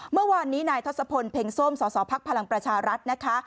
เมื่อวานนี้นายทศพลเพ็งส้มสสพลังประชารัฐนะคะ